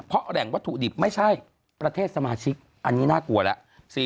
เพราะแหล่งวัตถุดิบไม่ใช่ประเทศสมาชิกอันนี้น่ากลัวแล้ว